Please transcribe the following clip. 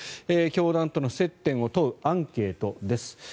教団との接点を問うアンケートです。